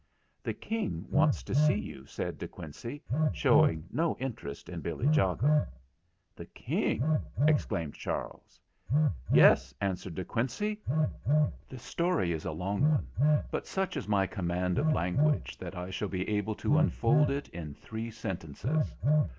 "The King wants to see you," said De Quincey, showing no interest in Billy Jago. "The King!" exclaimed Charles. "Yes," answered De Quincey. "The story is a long one, but such is my command of language that I shall be able to unfold it in three sentences.